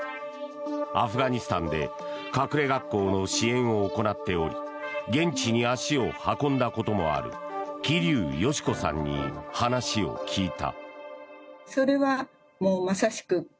アフガニスタンで隠れ学校の支援を行っており現地に足を運んだこともある桐生佳子さんに話を聞いた。